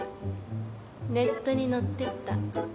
ネットに載ってた。